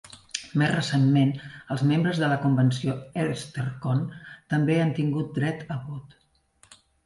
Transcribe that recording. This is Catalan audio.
Més recentment, els membres de la convenció Eastercon també han tingut dret a vot.